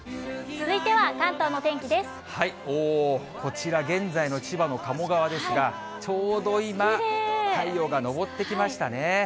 こちら、現在の千葉の鴨川ですが、ちょうど今、太陽が昇ってきましたね。